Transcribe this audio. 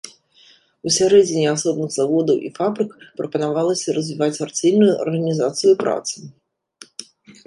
Усярэдзіне асобных заводаў і фабрык прапанавалася развіваць арцельную арганізацыю працы.